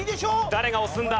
誰が押すんだ？